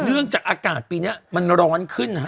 เนื่องจากอากาศปีนี้มันร้อนขึ้นนะฮะ